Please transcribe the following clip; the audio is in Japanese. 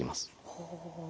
ほう。